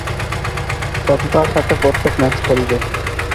সততার সাথে প্রত্যেক ম্যাচ খেলবে।